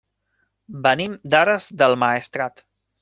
Venim d'Ares del Maestrat.